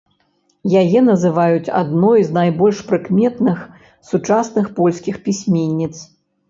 Яе называюць адной з найбольш прыкметных сучасных польскіх пісьменніц.